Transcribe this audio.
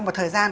một thời gian